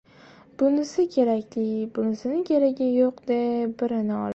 Bunisi kerakli, bunisining keragi yo‘q, deb birini olib.